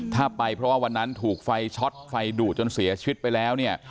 ถ้าไปเพราะวันนั้นถูกไฟช็อตไฟถูกเจอจนเสียชีวิตไปแล้ว